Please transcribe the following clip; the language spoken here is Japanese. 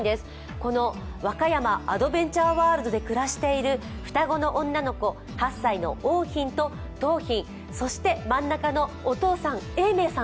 この和歌山アドベンチャーワールドで暮らしている双子の女の子８歳の桜浜と桃浜、そして真ん中のお父さん永明さん